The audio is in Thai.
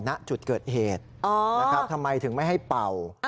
ณจุดเกิดเหตุนะครับทำไมถึงไม่ให้เป่า